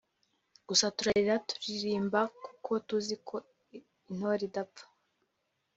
gusa turarira turirimba kuko tuzi ko intore idapfa